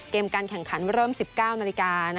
การแข่งขันเริ่ม๑๙นาฬิกา